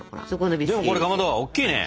でもこれかまどおっきいね。